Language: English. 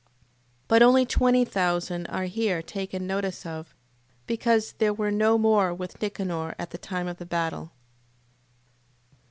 But only 20,000 are here taken notice of, because there were no more with Nicanor at the time of the battle.